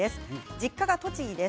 実家は栃木です。